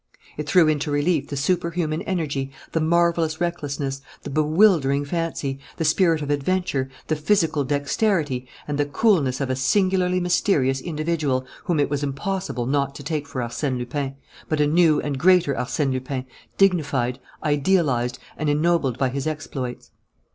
It threw into relief the superhuman energy, the marvellous recklessness, the bewildering fancy, the spirit of adventure, the physical dexterity, and the coolness of a singularly mysterious individual whom it was impossible not to take for Arsène Lupin, but a new and greater Arsène Lupin, dignified, idealized, and ennobled by his exploits.